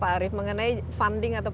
pak arief mengenai funding atau